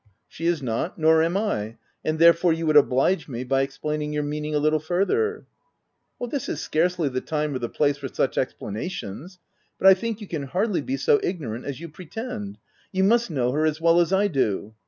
"" She is not, nor am I ; and therefore, you would oblige me by explaining your meaning a little further. ,," This is scarcely the time or the place for such explanations ; but I think you can hardly be so ignorant as you pretend : you must know her as well as I do."